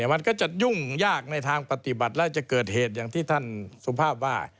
มันก็จะยุ่งยากในทางปฏิบัติและจะเกิดเหตุอย่างที่ท่านสุภาพว่า